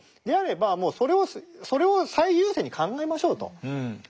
であればもうそれを最優先に考えましょうと。